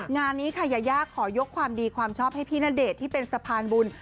งานนี้ค่ะยายาขอยกความดีความชอบให้พี่ณเดชน์ที่เป็นสะพานบุญ